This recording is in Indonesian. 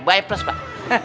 baik plus pak